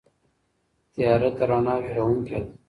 تیاره تر رڼا وېروونکې ده.